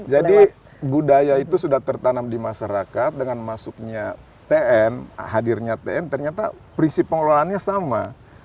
jadi budaya itu sudah tertanam di masyarakat dengan masuknya tn hadirnya tn ternyata prinsip pengelolaannya sama